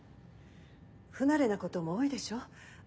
不慣れなことも多いでしょ？